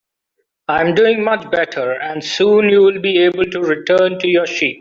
I'm doing much better, and soon you'll be able to return to your sheep.